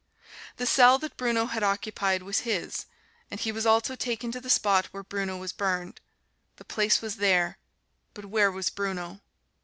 The cell that Bruno had occupied was his, and he was also taken to the spot where Bruno was burned: the place was there, but where was Bruno!